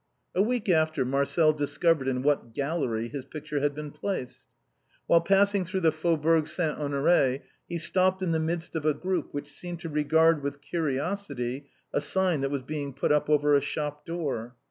A week after. Marcel discovered in what gallery his picture had been placed. While passing through the Fau bourg St. Honoré, he stopped in the midst of a group which seemed to regard with curiosity a sign that was being put up over a shop door.